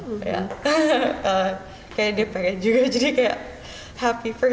kayaknya dia pengen juga jadi kayak happy for him